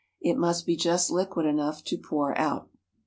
It must be just liquid enough to pour out.